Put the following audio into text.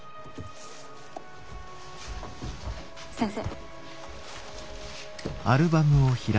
先生。